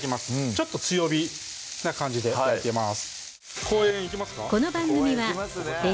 ちょっと強火な感じで焼いてます